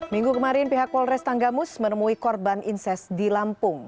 minggu kemarin pihak polres tanggamus menemui korban inses di lampung